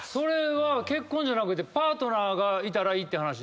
結婚じゃなくてパートナーがいたらいいって話ですよね。